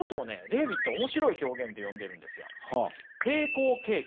レーヴィット面白い表現で呼んでるんですよ。